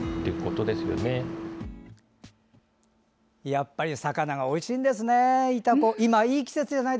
やっぱり魚はおいしいんですね。